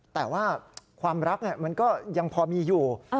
แต่ว่าความรักมันก็ยังพอมีอยู่